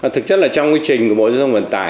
thực chất là trong quy trình của bộ dân sông vận tải